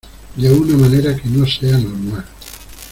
de una manera que no sea normal.